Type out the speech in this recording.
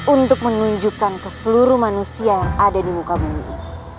untuk menunjukkan ke seluruh manusia yang ada di muka bumi ini